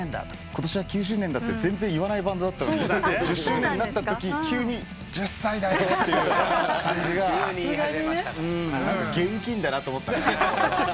「ことしは９周年だ」って全然言わないバンドだったのに１０周年になったとき急に１０歳だよって感じが現金だなと思ったんで。